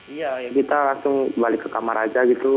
iya kita langsung balik ke kamar aja gitu